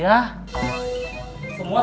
semua setuju kan